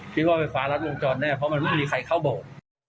คิดว่าไปขวารัฐวงจรแน่เพราะมันไม่มีใครเข้าโบก